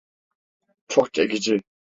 Çok çekici.